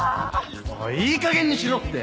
おいいいかげんにしろって！